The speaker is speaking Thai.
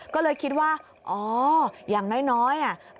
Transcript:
ก็เลยคิดว่าอ๋ออย่างน้อย